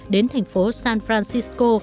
đến thành phố san francisco